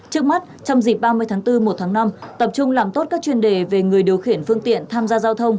trước mắt trong dịp ba mươi tháng bốn một tháng năm tập trung làm tốt các chuyên đề về người điều khiển phương tiện tham gia giao thông